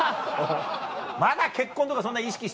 まだ結婚とかそんな意識してない？